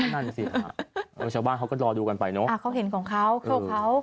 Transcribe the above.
นั่นสิค่ะชาวบ้านเขาก็รอดูกันไปเนอะเขาเห็นของเขาเข้าเขา